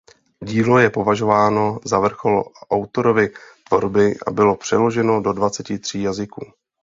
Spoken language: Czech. Dílo je považováno za vrchol autorovy tvorby a bylo přeloženo do dvaceti tří jazyků.